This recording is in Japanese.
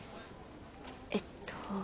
えっと。